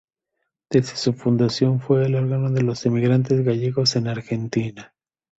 Desde su fundación fue el órgano de los emigrantes gallegos en Argentina.